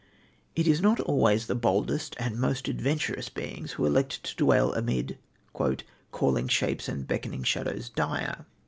It is not always the boldest and most adventurous beings who elect to dwell amid "calling shapes and beckoning shadows dire."